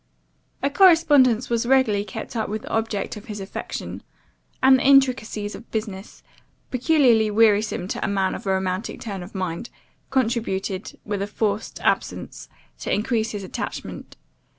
"A correspondence was regularly kept up with the object of his affection; and the intricacies of business, peculiarly wearisome to a man of a romantic turn of mind, contributed, with a forced absence, to increase his attachment.